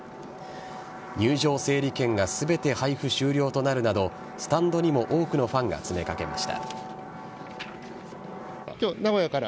入場整理券が全て配布終了となるなどスタンドにも多くのファンが詰めかけました。